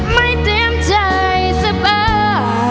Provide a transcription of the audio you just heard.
ไม่เตรียมใจสบาย